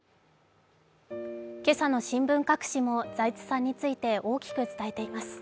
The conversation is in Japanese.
今朝の新聞各紙も財津さんについて大きく伝えています。